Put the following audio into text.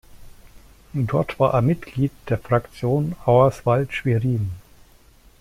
Dort war er Mitglied der Fraktion Auerswald-Schwerin.